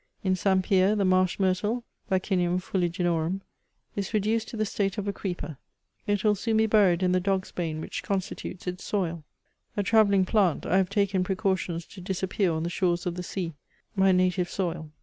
In St. Pierre the marsh myrtle, (vaccinium fuliginorum) is reduced to the state of CHATEAUBRIAND. 249 a creeper; it will soon be buried ia tbe dog's bane which consti tutes its soil. A travelling plant, I have taken precautions to disappear on the shores of the sea, my native soil.